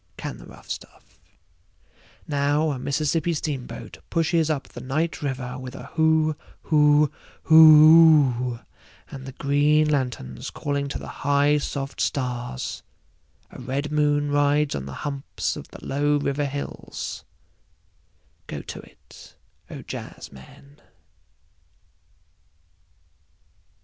Can the rough stuff … now a Mississippi steamboat pushes up the night river with a hoo hoo hoo oo … and the green lanterns calling to the high soft stars … a red moon rides on the humps of the low river hills … go to it, O jazzmen.